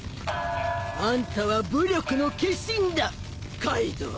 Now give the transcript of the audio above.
あんたは武力の化身だカイドウ